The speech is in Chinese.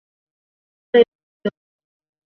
索尔河畔勒布雄。